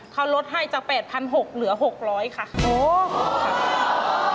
ข้าลดให้ค่ะจาก๘๖๐๐บาทเหลือ๖๐๐บาท